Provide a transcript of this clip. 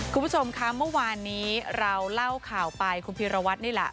คุณผู้ชมคะเมื่อวานนี้เราเล่าข่าวไปคุณพีรวัตรนี่แหละ